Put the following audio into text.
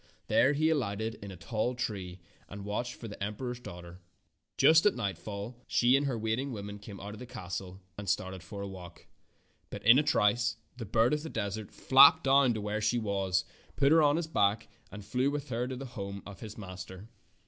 There he alighted in a tall tree and watched for the emperor's daughter. Just at nightfall she and her waiting woman came out of the castle and started for a walk. But 95 Fairy Tale Foxes in a trice the bird of the desert flapped down to where she was, put her on his back, and flew with her to the home of his master.